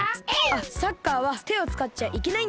あっサッカーはてをつかっちゃいけないんだよ。